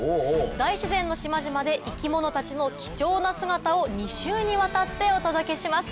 大自然の島々で生き物たちの貴重な姿を２週にわたってお届けします。